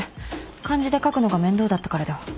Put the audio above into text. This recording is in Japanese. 漢字で書くのが面倒だったからでは？